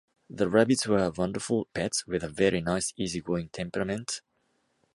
The rabbits are wonderful pets, with a very nice easy-going temperament.